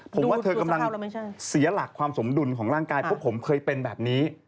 ผมว่าเธอกำลังเสียหลักความสมดุลของร่างกายเพราะผมเคยเป็นแบบนี้